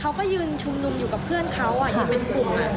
เขาก็ยืนชุมนุมอยู่กับเพื่อนเขายืนเป็นกลุ่ม